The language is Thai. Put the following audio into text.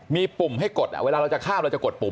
มีปุ่มให้กดเวลาเราจะข้ามละจะกดให้กดอ่ะ